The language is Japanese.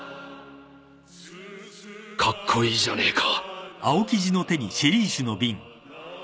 カッコイイじゃねえか。